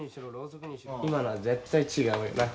今のは絶対違うよな。